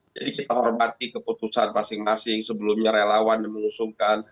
jadi kita hormati keputusan masing masing sebelumnya relawan dan mengusungkan